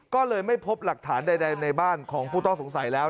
ก็เลยไม่พบหลักฐานใดในบ้านของผู้ต้องสงสัยแล้ว